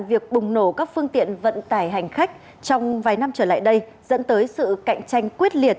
việc bùng nổ các phương tiện vận tải hành khách trong vài năm trở lại đây dẫn tới sự cạnh tranh quyết liệt